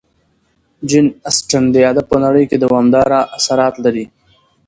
جین اسټن د ادب په نړۍ کې دوامداره اثرات لري.